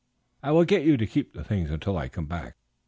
I will get you to keep the things until I come back."